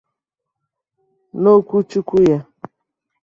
N'okwuchukwu ya